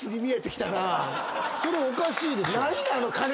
おかしいでしょ。